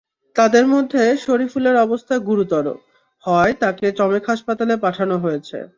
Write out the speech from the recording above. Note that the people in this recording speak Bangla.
তাদের মধ্যে শরীফুলের অবস্থা গুরুতর হওয়ায় তাকে চমেক হাসপাতালে পাঠানো হয়েছে।